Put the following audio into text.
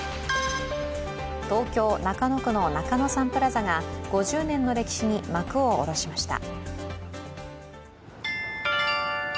東京・中野区の中野サンプラザが５０年の歴史に幕を下ろしました。